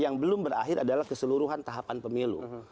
yang paling penting adalah keseluruhan tahapan pemilu